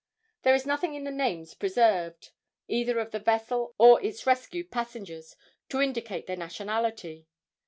There is nothing in the names preserved, either of the vessel or its rescued passengers, to indicate their nationality.